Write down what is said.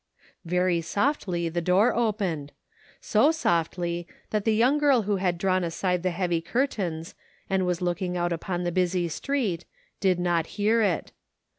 Very softly the door opened — so softly that the young girl who had drawn aside the heavy curtains and was looking out upon the busy street, did not hear it.